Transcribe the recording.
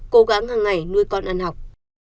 cố gắng hằng ngày nuôi con ăn học